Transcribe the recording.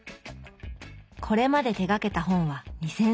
これまで手がけた本は２，０００冊以上。